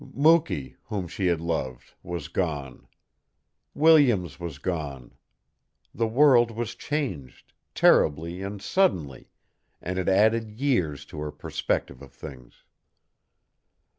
Mukee, whom she had loved, was gone. Williams was gone. The world was changed, terribly and suddenly, and it added years to her perspective of things.